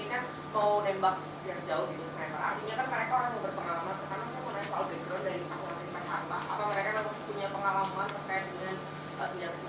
kau nembak jauh jauh